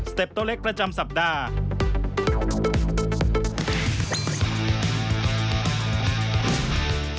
เต็ปโต้เล็กประจำสัปดาห์